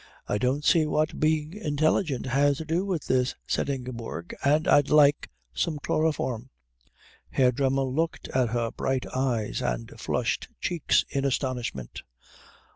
"I don't see what being intelligent has to do with this," said Ingeborg, "and I'd like some chloroform." Herr Dremmel looked at her bright eyes and flushed cheeks in astonishment.